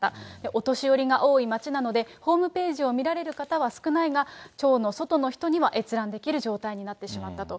お年寄りが多い町なので、ホームページを見られる方は少ないが、町の外の人には閲覧できる状態になってしまったと。